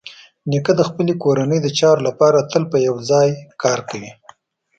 نیکه د خپلې کورنۍ د چارو لپاره تل په یوه ځای کار کوي.